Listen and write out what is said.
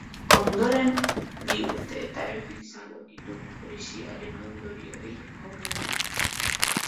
Ondoren, bi urte eta erdi izango ditu krisiaren ondorioei aurre egiteko.